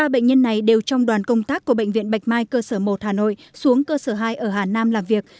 ba bệnh nhân này đều trong đoàn công tác của bệnh viện bạch mai cơ sở một hà nội xuống cơ sở hai ở hà nam làm việc